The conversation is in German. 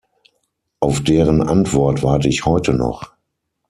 Auf deren Antwort warte ich heute noch.